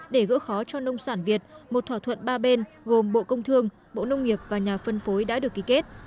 để gỡ khó cho nông sản việt một thỏa thuận ba bên gồm bộ công thương bộ nông nghiệp và nhà phân phối đã được ký kết